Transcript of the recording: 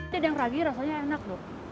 dendeng ragi rasanya enak lho